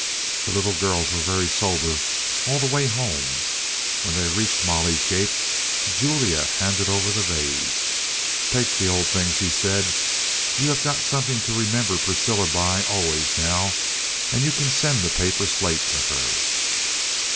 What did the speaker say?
The little girls were very sober all the way home. When they reached Molly's gate, Julia handed over the vase. "Take the old thing," she said. "You have got something to remember Priscilla by always now, and you can send the paper slate to her."